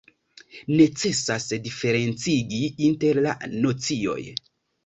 Necesas diferencigi inter la nocioj.